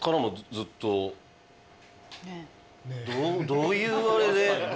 どういうあれで。